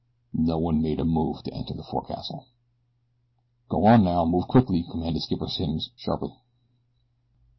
No one made a move to enter the forecastle. "Go on now, move quickly," commanded Skipper Simms sharply.